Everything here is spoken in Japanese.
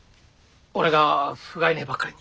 俺がふがいねえばかりに。